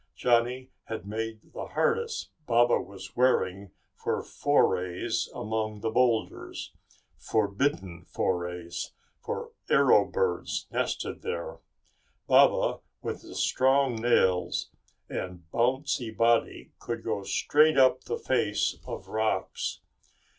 Johnny had made the harness Baba was wearing for forays among the boulders forbidden forays, for arrow birds nested there. Baba, with his strong nails and bouncy body, could go straight up the face of rocks.